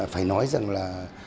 phải nói rằng là